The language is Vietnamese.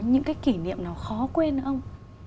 những cái kỉ niệm nào khó quên nữa không